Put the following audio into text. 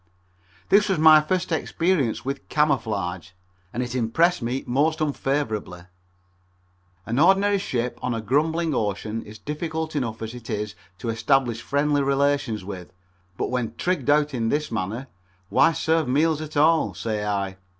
This was my first experience with camouflage, and it impressed me most unfavorably. An ordinary ship on a grumbling ocean is difficult enough as it is to establish friendly relations with, but when trigged out in this manner why serve meals at all, say I.